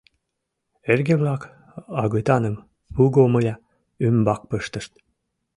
Эрге-влак агытаным пугомыля ӱмбак пыштышт.